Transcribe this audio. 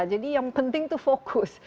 jadi yang penting itu fokus